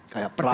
kayak perang ya